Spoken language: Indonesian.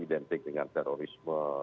identik dengan terorisme